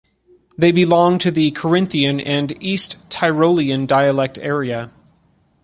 They belong to the Carinthian and East Tyrolean dialect area.